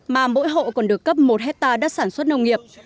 mà mỗi hộ còn được cấp một hectare đất sản xuất nông nghiệp